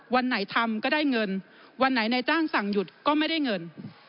วันไหนทำก็ได้เงินวันไหนนายจ้างสั่งหยุดก็ไม่ได้เงิน